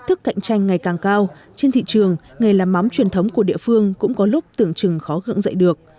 trên thị trường nghề làm mắm truyền thống của địa phương cũng có lúc tưởng chừng khó gỡ dạy được